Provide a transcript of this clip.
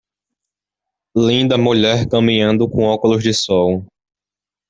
Linda mulher caminhando com óculos de sol.